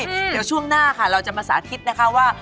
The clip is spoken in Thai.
เดี๋ยวช่วงหน้าค่ะเราจะมาสาธิตนะคะว่า